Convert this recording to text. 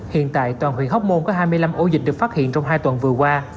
hiện tại toàn huyện hóc môn có hai mươi năm ổ dịch được phát hiện trong hai tuần vừa qua